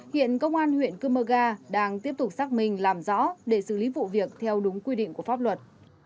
hiện công an huyện cơ mơ ga đang tiếp tục xác minh làm rõ để xử lý vụ việc theo đúng quy định của pháp luật